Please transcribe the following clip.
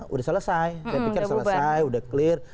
udah selesai udah clear